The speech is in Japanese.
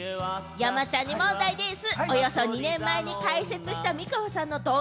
山ちゃんに問題でぃす。